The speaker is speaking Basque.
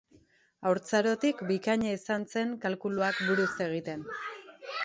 Haurtzarotik bikaina izan zen kalkuluak buruz egiten.